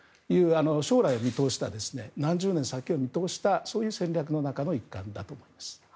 将来を見通した何十年先を見通したそういう戦略の中の一環だと思います。